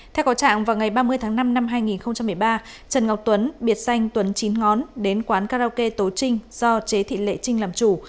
theo có trạng vào ngày ba mươi tháng năm năm hai nghìn một mươi ba trần ngọc tuấn biệt danh tuấn chín ngón đến quán karaoke tố trinh do chế thị lệ trinh làm chủ